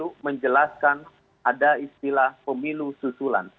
untuk menjelaskan ada istilah pemilu susulan